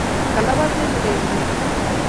Kalapat eng' ureriet raa